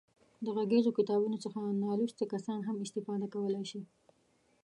د غږیزو کتابونو څخه نالوستي کسان هم استفاده کولای شي.